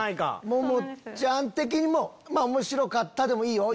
ももちゃん的におもしろかったでもいいよ。